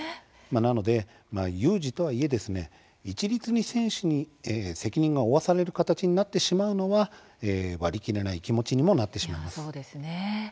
なので、有事とはいえ一律に選手に責任が負わされる形になってしまうのは割り切れない気持ちにもなってしまいます。